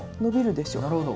なるほど。